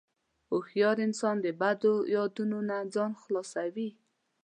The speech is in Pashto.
هوښیار انسان د بدو یادونو نه ځان خلاصوي.